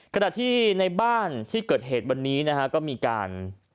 ขณะที่ในบ้านที่เกิดเหตุวันนี้นะฮะก็มีการ